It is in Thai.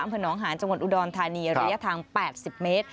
อำเภอหนองหาญจังหวัดอุดรธานีระยะทาง๘๐เมตร